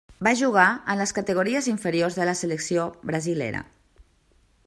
Va jugar amb les categories inferiors de la selecció brasilera.